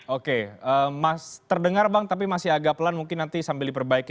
oke terdengar bang tapi masih agak pelan mungkin nanti sambil diperbaiki